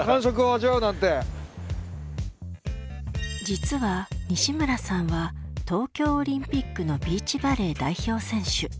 実は西村さんは東京オリンピックのビーチバレー代表選手。